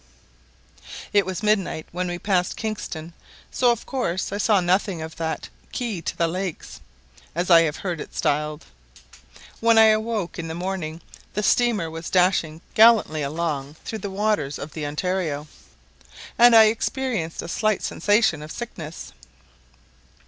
It was midnight when we passed Kingston, so of course I saw nothing of that "key to the lakes," as I have heard it styled. When I awoke in the morning the steamer was dashing gallantly along through the waters of the Ontario, and I experienced a slight sensation of sickness.